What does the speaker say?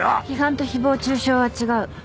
批判と誹謗中傷は違う。